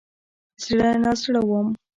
زړه نازړه وم.